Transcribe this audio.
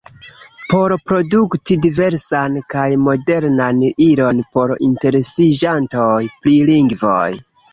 Por produkti diversan kaj modernan ilon por interesiĝantoj pri lingvoj.